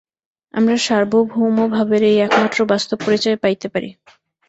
আমরা সার্বভৌম ভাবের এই একমাত্র বাস্তব পরিচয় পাইতে পারি।